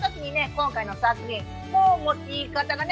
今回の作品もう持ち方がね